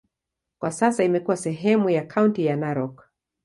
Kwa sasa imekuwa sehemu ya kaunti ya Narok.